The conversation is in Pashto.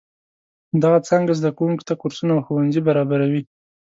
دغه څانګه زده کوونکو ته کورسونه او ښوونځي برابروي.